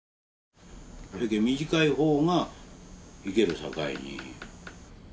短い方がいけるさかいに。